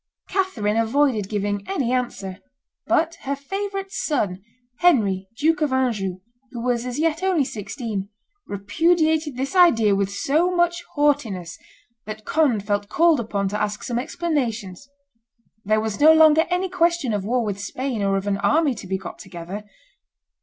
Catherine avoided giving any answer; but her favorite son, Henry, Duke of Anjou, who was as yet only sixteen, repudiated this idea with so much haughtiness that Conde felt called upon to ask some explanations; there was no longer any question of war with Spain or of an army to be got together.